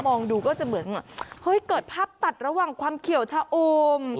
มองดูก็จะเหมือนเฮ้ยเกิดภาพตัดระหว่างความเขียวชะโอม